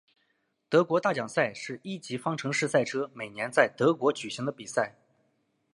德国大奖赛是一级方程式赛车每年在德国举行的比赛。